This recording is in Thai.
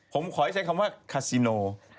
ผมขอให้ใช้คำว่าคาซิโน